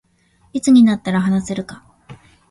いつになったら話せるか